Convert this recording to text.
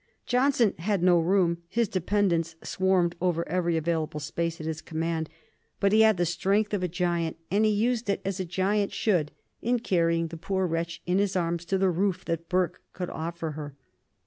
Johnson had no room his dependents swarmed over every available space at his command but he had the strength of a giant, and he used it as a giant should, in carrying the poor wretch in his arms to the roof that Burke could offer her.